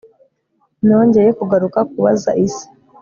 nongeye kugaruka kubaza isi